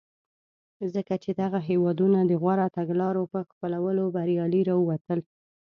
ځکه چې دغه هېوادونه د غوره تګلارو په خپلولو بریالي راوتلي.